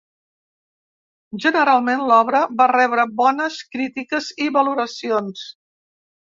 Generalment, l'obra va rebre bones crítiques i valoracions.